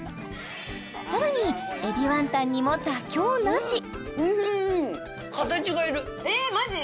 さらに海老ワンタンにも妥協なしえっマジ？